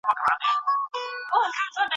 څه وخت خصوصي سکتور طبي وسایل هیواد ته راوړي؟